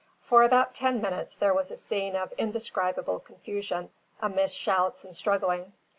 For about ten minutes, there was a scene of indescribable confusion amidst shouts and struggling.